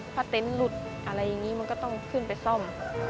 ถ้าเต็นต์หลุดอะไรอย่างนี้มันก็ต้องขึ้นไปซ่อม